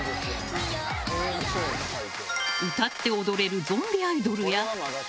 歌って踊れるゾンビアイドルや。